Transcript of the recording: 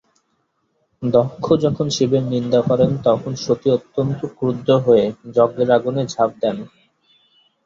দক্ষ যখন শিবের নিন্দা করেন তখন সতী অত্যন্ত ক্রুদ্ধ হয়ে যজ্ঞের আগুনে ঝাঁপ দেন।